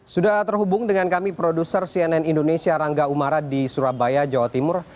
sudah terhubung dengan kami produser cnn indonesia rangga umara di surabaya jawa timur